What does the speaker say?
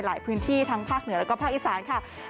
หลายพื้นที่ทั้งภาคเหนือแล้วก็ภาคอีสานค่ะ